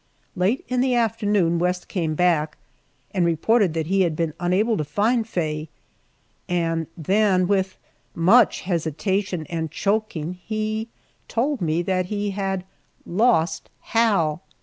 Late in the afternoon West came back and reported that he had been unable to find Faye, and then with much hesitation and choking he told me that he had lost Hal!